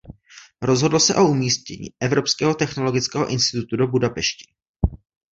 Rozhodlo se o umístění Evropského technologického institutu do Budapešti.